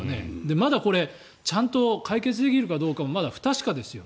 まだちゃんと解決できるかどうかもまだ不確かですよ。